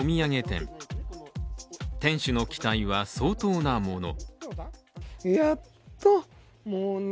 店主の期待は相当なもの。